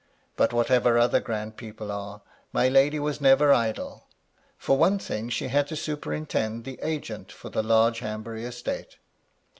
But whatever other grand people are, my lady was never idle. For one thing, she had to superintend the agent for the large Hanbury estate.